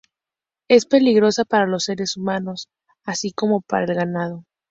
Es peligrosa para los seres humanos, así como para el ganado.